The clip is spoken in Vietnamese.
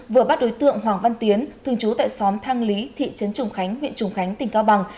vừa bắt đối tượng hoàng văn tiến thường trú tại xóm thang lý thị trấn trùng khánh huyện trùng khánh tỉnh cao bằng